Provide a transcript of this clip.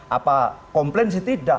apa komplain sih tidak